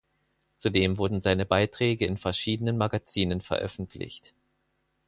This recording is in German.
Zudem wurden seine Beiträge in verschiedenen Magazinen veröffentlicht.